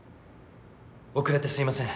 遅れてすいません。